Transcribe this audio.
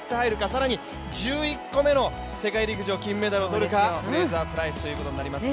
更に１１個目の世界陸上金メダルをとるか、フレイザープライスということになります